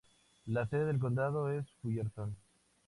La sede del condado es Fullerton.